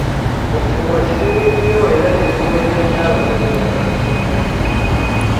Okufumba kuzibu nnyo era kuzibuwalira nnyo abasajja abasinga.